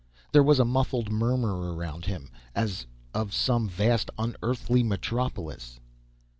There was a muffled murmur around him, as of some vast, un Earthly metropolis.